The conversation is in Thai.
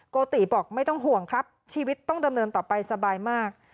โกติบอกไม่ต้องห่วงครับชีวิตต้องดำเนินต่อไปสบายมาก